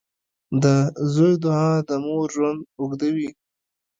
• د زوی دعا د مور ژوند اوږدوي.